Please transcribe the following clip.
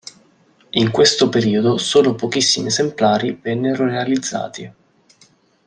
In questo periodo solo pochissimi esemplari vennero realizzati.